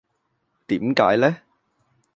點解呢